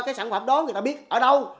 cái sản phẩm đó người ta biết ở đâu